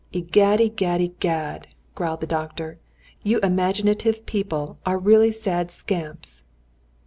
"Egad! egad! egad!" growled the doctor, "you imaginative people are really sad scamps!"